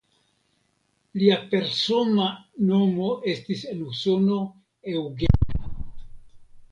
Lia persona nomo estis en Usono "Eugene".